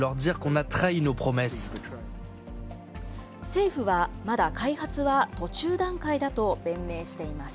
政府はまだ開発は途中段階だと弁明しています。